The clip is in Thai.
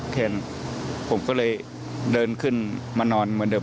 แทนผมก็เลยเดินขึ้นมานอนเหมือนเดิ